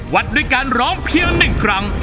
วัดด้วยการร้องเพียง๑ครั้ง